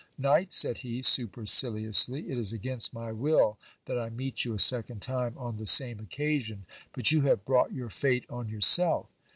Knight, said he, superciliously, it is against my will that I meet you a second time on the same occasion, but you have brought your fate on yourself.